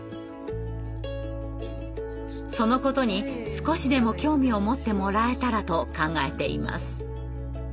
そのことに少しでも興味を持ってもらえたらと考えています。